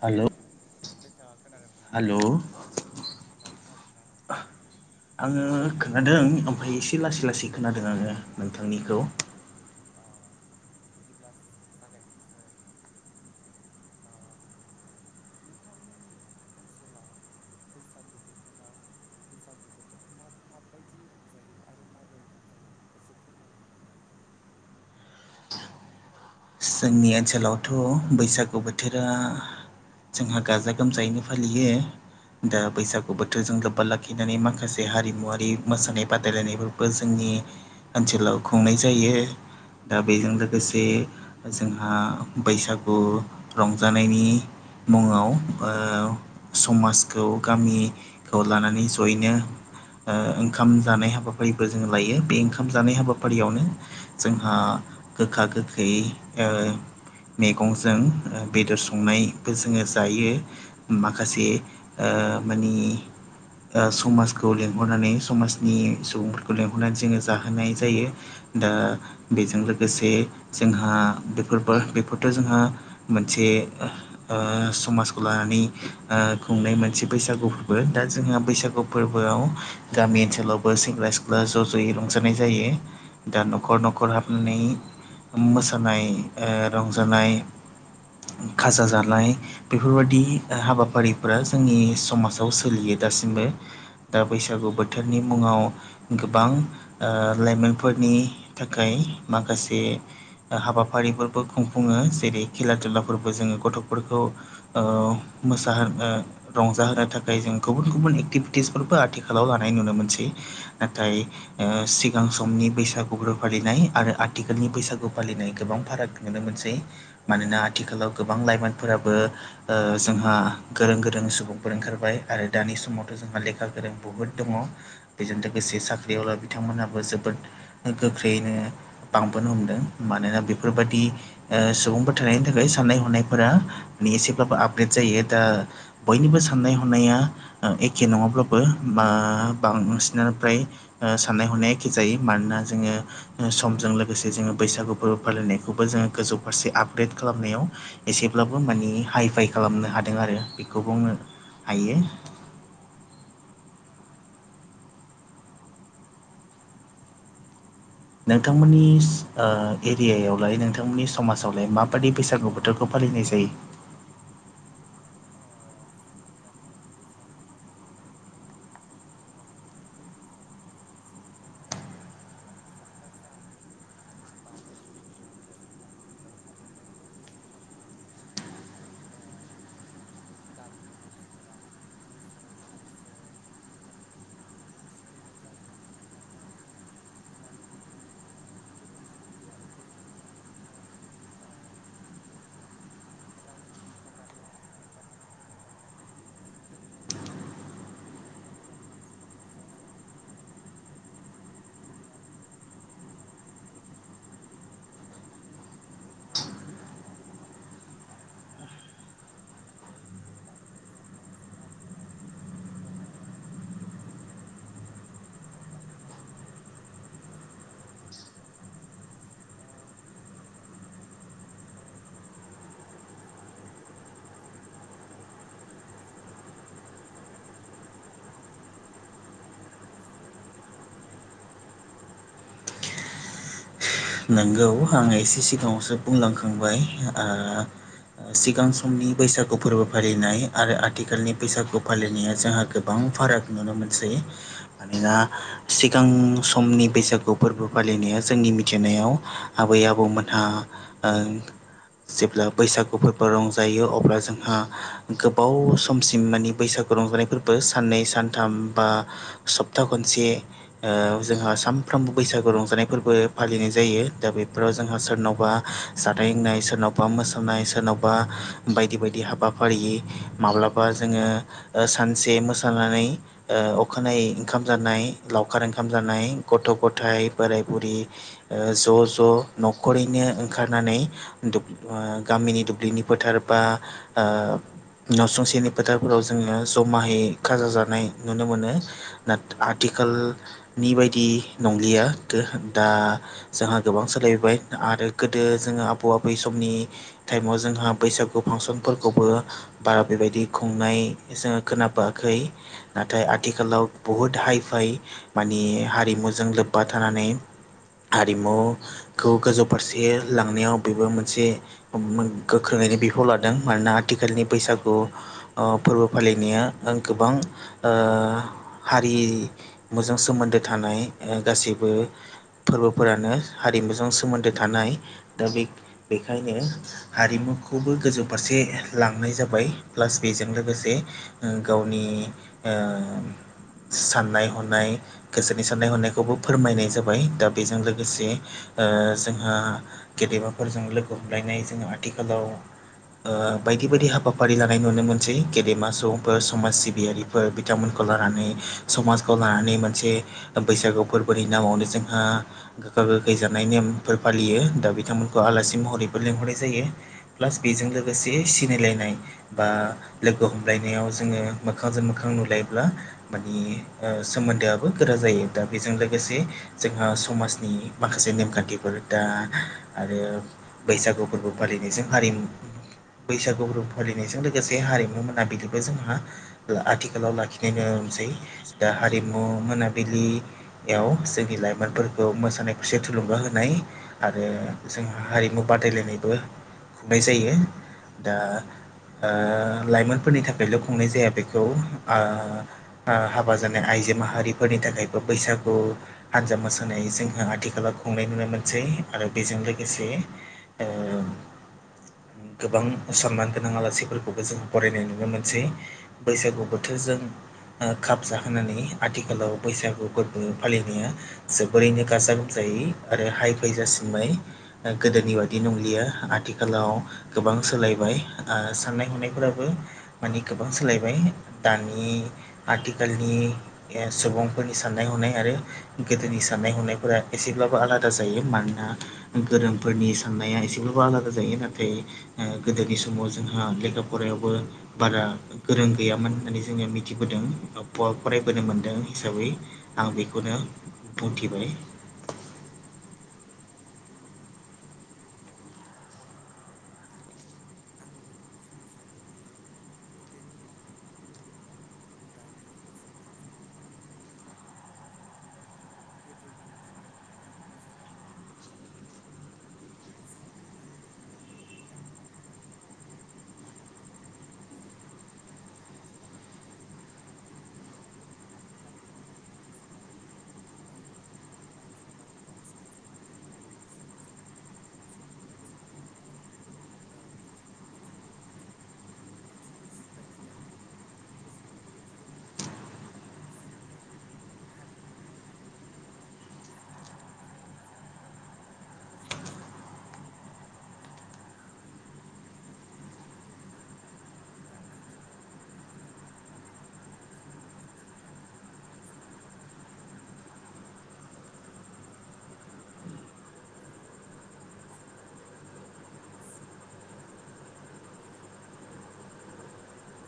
हेल' नोंथाङा खोनादोंना, हेल' हेल' खोनादोंना? [inaudible] आङो खोनादों ओमफाय एसे लासै लासै खोनादों आङो नोंथांनिखौ औ बिदिब्ला जागायनोसै। अ नोंथांमोननि ओनसोलाव बैसागु बोथोराव बैसागु बोथोरखौ मा माबायदि रंजायो आरो माबोरै रंजायो? एसे फोरमायनो हागोन ना? जोंनि ओनसोलावथ' बैसागु बोथोरा जोंहा गाजा गोमजायैनो फालिनाय जायो दा बैसागु बोथोरजों लोब्बा लाखिनानै माखासे हारिमु आरि मोसानाय बादायलायनायबो बो जोंनि ओनसोलाव खुंनाय जायो दा बेजों लोगोसे जोंहा बैसागु रंजानायनि मुंआव समाजखौ गामि लानानै सहैनो ओ ओंखाम जानाय हाबाफारिबो जों लायो बे ओंखाम जानाय हाबाफारिआवनो जोंहा गोखा गोखै ओ मेगंजों ओ बेदर संनायबो जोङो जायो माखासे ओ माने ओ समाजखौ लेंहरनानै समाजनि सुबुंफोरखौ लेंहरनानै जोङो जाहोनाय जायो दा बेजों लोगोसे जोंहा बेफोरबो बेफोरथ' जोंहा मोनसे ओ समाजखौ लानानै ओ खुंनाय मोनसे बैसागु फोरबो दा जोंहा बैसागु फोरबोआव हो गामि ओनसोलावबो सेंग्रा सिख्ला ज' ज'यै रंजानाय जायो दा न'खर न'खर हाबनानै मोसानाय ओ रंजानाय खाजा जानाय बेफोरबादि ओ हाबाफारिफोरा जोंनि समाजाव सोलियो दासिमबो ओ बैसागु बोथोरनि मुंआव गोबां ओ लाइमोनफोरनि थाखाय माखासे ओ हाबाफारिफोरबो खुंफुङो जेरै खेला दुलाफोरबो जोङो गथ'फोरखौ ओ मोसा होनो रंजाहोनो थाखाय जों गुबुन गुबुन एक्टिभिटिसफोरबो आथिखालाव लानाय नुनो मोनसै हो नाथाय ओ सिगां समनि बैसागुफोर फालिनाय आरो आथिखालनि बैसागु फालिनाय गोबां फा फाराग नुनो मोनसै मानोना आथिखालाव गोबां लाइमोनफोराबो ओ जोंहा गोरों गोरों सुबुंफोर ओंखारबाय आरो दानि समावथ' जोंहा लेखा गोरों बुहुद दङ बेजों लोगोसे साख्रिआवला बिथांमोनहाबो जोबोद गोख्रैयैनो बांबोनो हमदों मानोना बेफोरबादि ओ सुबुंफोर थानायनि थाखाय साननाय ह'नायफोरा एसेब्लाबो आपडेट जायो दा बयनिबो साननाय हनाया ओ एखे नङाब्लाबो बा बांसिनानो फ्राय ओ साननाय हनाया एखे जायो मानोना जोङो ओ समजों लोगोसे जोङो बैसागु‌ फोर फालिनायखौबो जोङो गोजौ फारसे आपदेड खालामनायाव एसेब्लाबो मानि हाइ फाइ खालामनो हादों आरो बेखौ बुंनो हायो नोंथांमोननि ओ एरिआयावलाय नोंथांमोननि समाजावलाय माबादि बैसागु बोथोरखौ फालिनाय जायो ओ जोंनि गामियावथ' बैसागु बोथोरखौ ओरैबायदि फालियो बेै बैसागुखौ जोङो सैथ्र' मासनि जोबथा सान बावबो जोंहा संक्रान्ति हिसाबै फालिनाय जायो बे संक्रान्तिआव जोंहा ओ गामिनि मानसिफोरा मोसौ मैसो बेफोरखौ ओ थु खैनाय जायो थुखैनानै थुखैनानै बेखौ ओ दैआव थुखैहैयो आरो दैआव थुखैनानै बेखौ ओ फोथाराव हगारला हगारनानै दोननाय जायो बेनिफ्राय एक थारिखाव एक थारिखाव मानसिफ्रानो ज' ज' ओंखारनानै ओंखारनानै गिदिर गिदिर गिदिरा उन्दैखौ मान होनानै मान होनोनानै आरो उन्दैआ गिदिरखौ मान बावनानै बेफोरबादि फालिनाय जायो आरो आरो गामिनि सेंग्रा सिख्ला ज' ज'जाजाय बोराय बुरै ज'यै ओंखारो गामि गामि मागियो पिकनिक जायो आरो आ आं नोंथाङा आथिखालाव गोदोनि बैसागु आरो दानि बैसागु बैसागुनि फाराग माबायदि सोलायबोदों माबायदि जौगाबोदों बेफोरखौ एसे फोरमायनानै होनो हागोन नामा? नंगौ आङो एसे सिगाङावसो बुंलांखांबाय ओ ओ सिगां समनि बैसागु फोरबो फालिनाय आरो आथिखालनि बैसागु फालिनाया जोंहा गोबां फाराग नुनो मोनसै मानोना सिगां समनि बैसागु फोरबो फालिनाया जोंनि मि मिथिनायाव आबै आबौमोनहा ओं जेब्ला बैसागुफोरबो रंजायो अब्ला जोंहा गोबाव समसिम मानि बैसागु रंजानाय फोरबो साननै सानथाम बा सप्ता खनसे ओ जोंहा सानफ्रोमबो बैसागु रंजानाय फोरबो फालिनाय जायो दा बेफोराव जोंहा सोरनावबा जानाय लोंनाय सोरनावबा मोसानाय सोरनावबा बायदि बायदि हाबाफारि माब्लाबा जोङो सानसे मोसानानै ओ अखानायै ओंखाम जानाय लावखार ओंखाम जानाय गथ' गथायाइ बोराय बुरि ओ ज' ज' न'खरैनो ओंखारनानै दुब ओ गामिनि दुब्लिनि फोथार बा न'सुंसेनि फोथारफोराव जोङो जमायै खाजा जानाय नुनो मोनो। ना आथिखालनि बायदि नंलिया दोहोन दा जोंहा गोबां सोलायबोबाय आरो गोदो जोङो आबौ आबै समनि टाइमाव जोंहा बैसागु फांसनफोरखौबो बा बेबायदि खुंनाय जोङो खोनाबोआखै नाथाय आथिखालाव बुहुत हाइ फाइ माने हारिमुजों लोब्बा थानानै हारिमुखौ गोजौ फारसे लांनायाव बेबो मोनसे गोख्रोङैनो बिफाव लादों मानोना आथिखालनि बैसागु ओ फोरबो फालिनाया गोबां ओ हारि मुजों सोमोन्दो थानाय गासैबो फोरबोफोरानो हारिमुजों सोमोन्दो थानाय दा बे बेखायनो हारिमुखौबो गोजौ फारसे लांनाय जाबाय प्लास बेजों लोगोसे ओ गावनि ओ साननाय हनाय गोसोनि साननाय हनायखौबो फोरमायनाय जाबाय दा बेजों लोगोसे ओ जोंहा गेदेमाफोरजों लोगो हमलायनाय जों आथिखालाव ओ बायदि बायदि हाबाफारि लानाय नुनो मोनसै गेदेमा सुबुंफोर समाज सिबियारि फोर बिथांमोनखौ लानानै समाजखौ लानानै मोनसे बैसागु फोरबोनि नामावनो जोंहा गोखा गोखै जानाय नेमफोर फालियो दा बिथांमोनखौ आलासि महरैबो लेंंहरनाय जायो। प्लास बेजों लोगोसे सिनायलायनाय बा लोगो हमलायनायाव जोङो मोखांजों मोखां नुलायब्ला मानि ओ सोमोन्दोआबो गोरा जायो दा बेजों लोगोसे जोंहा स समाजनि माखासे नेमखान्थिफोर दा आरो बैसागु फोरबो फालिनायजों हारिमु बैसागु फोरबो फालिनायजों लोगोसे हारिमु मोनाबिलिबो जोंहा ओ आथिखालाव लाखिनाय नुनोमोनसै दा हारिमु मोनाबिलि याव जोंनि लाइमोनफोर खौ मोसानाय खुसे थुलुंगा होनाय आरो जोंहा हारिमु बादायलायनायबो खुंनाय जायो। दा ओ लाइमोनफोरनि थाखायल' खुंनाय जाया बेखौ आ हाबा जानाय आइजो माहारिफोरनि थाखायबो बैसागु हानजा मोसानाय होनै जोंहा आथिखालाव खुंनाय नुनो मोनसै आरो बेजों लोगोसे ओ गोबां सनमान गोनां आलासिफोरखौबो जों फरायनाय नुनो मोनसै। बैसागु बोथोरजों ओ खाब जाहोनानै आथिखालाव बैसागु फोरबो फालिनाया जोबोरैनो गाजा गोमजायै आरो हाइ फैजासिमबाय ओ गोदोनि बायि नंलिया आथिखालाव गोबां सोलायबाय ओ साननाय हनायफोराबो माने गोबां सोलायबाय दानि आथिखालनि ओ सुबुंफोरनि साननाय हनाय आरो गोदोनि साननाय हनायफोरा एसेब्लाबो आलादा जायो मानोना गोरोंफोरनि साननाया एसेब्लाबो आलादा जायो नाथाय ओ गोदोनि समाव जोंहा लेखा फरायायावबो बारा गोरों गैयामोन होननानै जोङो मिथिबोदों फरायबोनो मोनदों हिसाबै आं बेखौनो बुंथिबाय‌। आंबो बेखौनो बुंनो सानोदि गोदोनि आरो दानि बैसागु रंजानाया गोबां फाराग जाबाय आरो गोदोनि दिनावहाय जोंनि बर'फ्रा जोंनि आंगोनिनो बर'नि दामग्रा देग्राफोरखौ लानानै रंजायोमोन नाथाय आथिखालाव गोदोनि देर गोदोनि दामग्रा दुमग्रानि दामग्रा देग्रानि सोलाय ओ आथिखालाव बक्स गिदिर गिदिर लानानैसो रंजानायखौ नुनो मोनसै बिराद सोलायबोबाय आरो ओ बि बि बिदि बिदि बिदि सोलायबोनायखौ नुनानै साननो गोनां जायोदि जोंनि हारिनि हारिमुनि दामग्रा बुथुफ्राबा बिदिबा जोंनि हारिनि हारिमु बेदि सिनायथिफ्रा गोमालांनो हागोन गोमालांनो हागौ बेनिखायनो दा आथिखालावबो गोदोनि दामग्रा देग्राखौ बाहायफिनोबा मोजां जायो आरो बेखौनो सानो आङो ओ ओ नोंथांमोननि ओनसोलाव दमासिखौ बोरै माबायदियै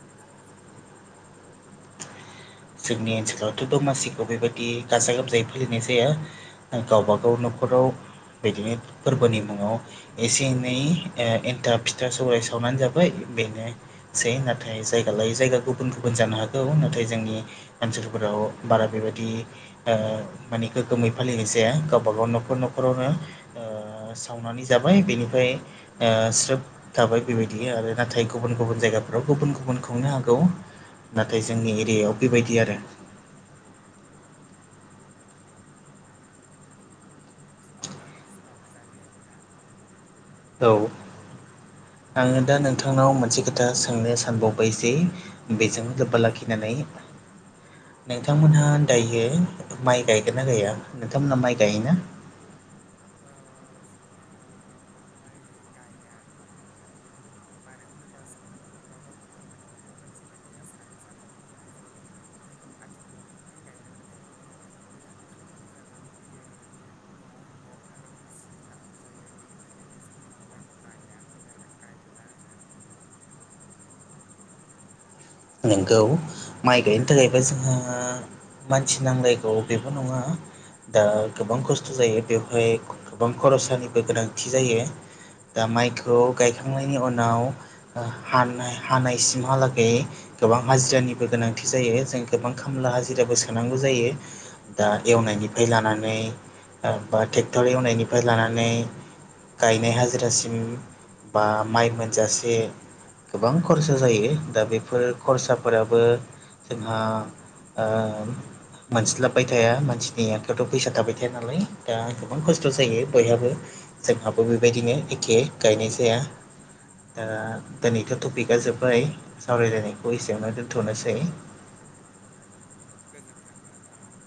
रंजानाय जायो। जोंनि ओनसोलावथ' दमासिखौ बेबायदि गाजा गोमजायै फालिनाय जायो। गावबागाव न'खराव बिदिनो फोरबोनि मुङाव एसे एनै ओ एन्थाब फिथा सराय सावनानै जाबाय बेनो सै नाथाय जायगा लायो जायगा गुबुन गुबुन जानो हागौ नाथाय जोंनि ओनसोलफोराव बारा बेबायदि ओ माने गोगोमै फालिनाय जाया गावबा गाव न'खर न'खरावनो ओ ओ सावनानै जाबाय बेनिफ्राय ओ स्रोब थाबाय बेबायदि आरो नाथाय गुबुन गुबुन जायगाफ्राव गुबुन गुबुन खुंनो हागौ। नाथाय जोंनि एरियायाव बेबायदि आरो औ फिथा लारु सिथाव जायो आरो ना। औ आङो दा पिकनिक नोंथांनाव जाया मोनसे खोथा पिकनिक सोंनो सानबावबाय जे बेजों दे लोब्बा सोंनो लाखिनानै हागोन नोंथांमोनहा दायो माइ गायगोन ना गैया नोंथांमोनहा माइ गायोना? ओ जोंहा माइ गाया‌। मानो होनोबा जोंहा न'खराव रावबो खामानि मावग्रा मानसियानो गैया सानै साथामल' थानाय जायोना। आथिखालाव नों माइ गायनोबथाय बिराद खामानि जानानै फैयो। न'आव न'आव थाग्रा मानसिबो नांगौ जायो बिनि थाखायनो जोंहा माइखौ गायाखै आरो गाय ला आरो। नोंगौ माइ गायनो थाखायबो जोङो मानसि नांलायगौ बेबो नङा दा गोबां खस्थ' जायो बेवहाय गोबां खरसानिबो गोनांथि जायो दा माइखौ गायखांनायनि उनाव ओ हानाय हानायसिमहालागै गोबां हाजिरानिबो गोनांथि जायो। जों गोबां खामला हाजिराबो सोनांगौ जायो दा एवनायनिफ्राय लानानै बा ट्रेक्टर एवनायनिफ्राय लानानै गायनाय हाजिरासिम बा माइ मोनजासे गोबां खरसा जायो दा बेफोर खरसाफोराबो जोंहा ओ मोनस्लाबबाय थाया मानसिनि आखाइायावथ' फैसा थाबाय थाया नालाय, दा गोबां खस्थ' जायो बयहाबो जोंहाबो बेबायदिनो एखे गायनाय जाया ओ दिनैथ' टपिकआ जोब्बाय सावरायलायनायखौ एसेयावनो दोन्थ'नोसै गोजोन्थों नोंथां औ